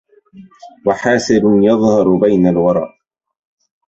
وحاسد يظهر بين الورى